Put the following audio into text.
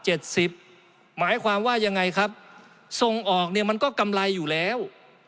หมายความว่ายังไงครับส่งออกเนี่ยมันก็กำไรอยู่แล้ว